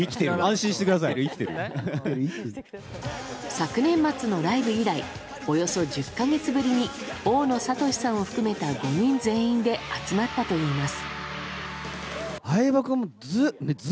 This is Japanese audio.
昨年末のライブ以来およそ１０か月ぶりに大野智さんを含めた５人全員で集まったといいます。